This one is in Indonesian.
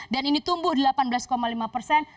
dan ini tumbuh delapan belas lima persen